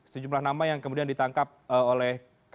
sejumlah nama yang kemudian diperoleh